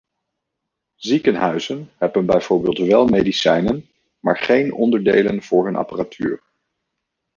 Ziekenhuizen hebben bijvoorbeeld wel medicijnen, maar geen onderdelen voor hun apparatuur.